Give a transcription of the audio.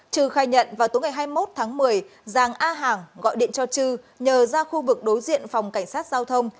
chư khai nhận vào tối ngày hai mươi một tháng một mươi giàng a hàng gọi điện cho chư nhờ ra khu vực đối diện phòng cảnh sát giao thông